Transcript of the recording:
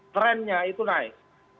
trendnya itu naik